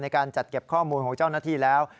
ในการจัดเก็บข้อมูลของเจ้าหน้าที่แล้ว